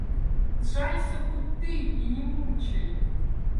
Сжалься хоть ты и не мучай!